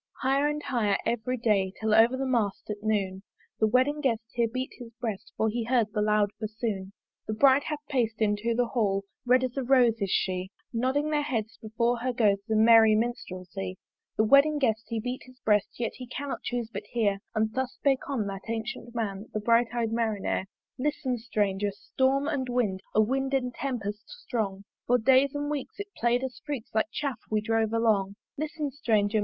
Higher and higher every day, Till over the mast at noon The wedding guest here beat his breast, For he heard the loud bassoon. The Bride hath pac'd into the Hall, Red as a rose is she; Nodding their heads before her goes The merry Minstralsy. The wedding guest he beat his breast, Yet he cannot chuse but hear: And thus spake on that ancyent Man, The bright eyed Marinere. Listen, Stranger! Storm and Wind, A Wind and Tempest strong! For days and weeks it play'd us freaks Like Chaff we drove along. Listen, Stranger!